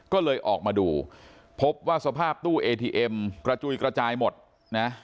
ก็เลยออกมาดูพบว่าสภาพตู้เอทีเอ็มกระจุยกระจายหมดนะ